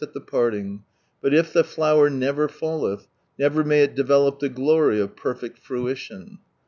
t the porting, but if the flower never fBllelh, Never may it develop the gloty of perfect fruition.